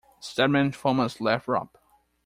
Stedman, Thomas Lathrop.